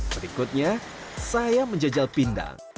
berikutnya saya menjejel pindang